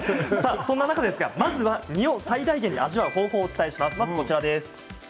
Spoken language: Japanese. そんな中で実を最大限に味わう方法をお伝えします。